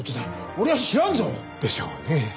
俺は知らんぞ！でしょうね。